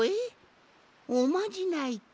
おまじないとな？